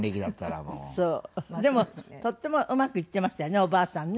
でもとってもうまくいってましたよねおばあさんね。